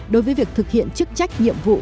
đối với việc thực hiện chức trách nhiệm vụ